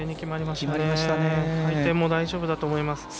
回転も大丈夫だと思います。